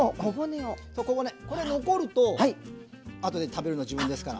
これ残るとあとで食べるのは自分ですから。